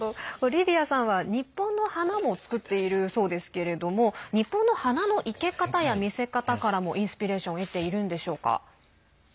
リヴィアさんは日本の花も作っているそうですけれども日本の花の生け方や見せ方からもインスピレーションを得ているんでしょうか？